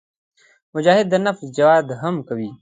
مجاهد د نفس جهاد هم کوي.